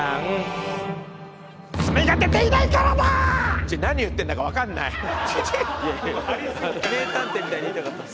ちょっと何言ってんだか分かんない。